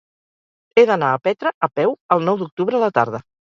He d'anar a Petra a peu el nou d'octubre a la tarda.